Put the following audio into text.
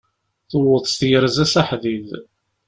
Tewweḍ tyerza s aḥdid.